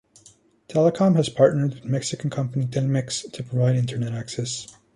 Telecom has partnered with Mexican company Telmex to provide internet access.